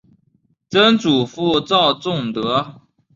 曾祖父赵仲德。